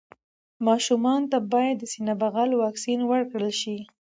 ماشومانو ته باید د سینه بغل واکسين ورکړل شي.